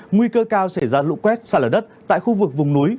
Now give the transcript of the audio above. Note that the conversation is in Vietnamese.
nguy cơ cao xảy ra lũ quét xa lở đất tại khu vực vùng núi